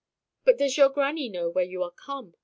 "But does your grannie know where you are come?"